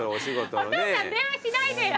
お父さん電話しないでよ。